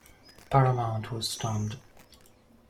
Paramount was stunned.